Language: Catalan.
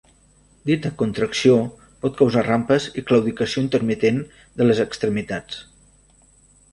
Dita contracció pot causar rampes i claudicació intermitent de les extremitats.